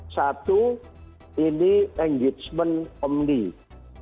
satu ini engagement omnis